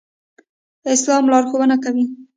اسلام لارښوونه کوي